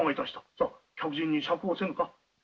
さあ客人に酌をせんか。